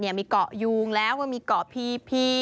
มีหาดมีเกาะยูงแล้วมีเกาะพี